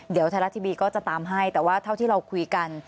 เดี๋ยวไทยรัฐทีวีก็จะตามให้แต่ว่าเท่าที่เราคุยกัน